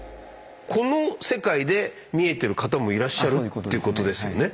この世界で見えてる方もいらっしゃるってことですよね。